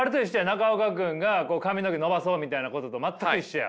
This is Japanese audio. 中岡君が髪の毛伸ばそうみたいなことと全く一緒や。